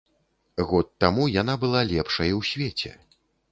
Год таму яна была лепшай у свеце.